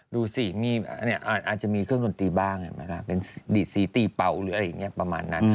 ดูสิอาจจะมีเครื่องดนตรีบ้างเห็นไหมล่ะเป็นดีดสีตีเป่าหรืออะไรอย่างนี้ประมาณนั้น